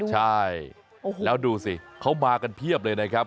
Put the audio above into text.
ใช่แล้วดูสิเขามากันเพียบเลยนะครับ